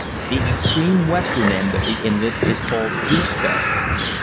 The extreme western end of the inlet is called Goose Bay.